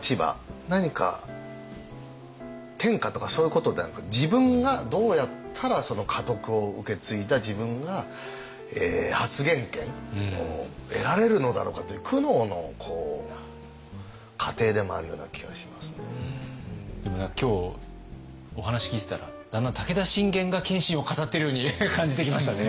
何か天下とかそういうことではなく自分がどうやったら家督を受け継いだ自分が発言権を得られるのだろうかというでも何か今日お話聞いてたらだんだん武田信玄が謙信を語っているように感じてきましたね。